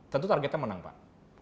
tentu targetnya menang pak